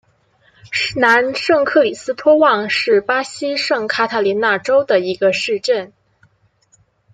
南圣克里斯托旺是巴西圣卡塔琳娜州的一个市镇。